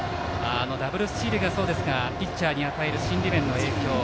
ダブルスチールがピッチャーに与える心理面の影響が。